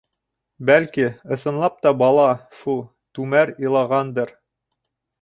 Бәлки... ысынлап та бала, фу, түмәр илағандыр.